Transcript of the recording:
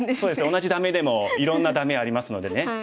同じ「ダメ」でもいろんな「ダメ」ありますのでね。